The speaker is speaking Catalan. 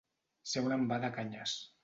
Ser un envà de canyes.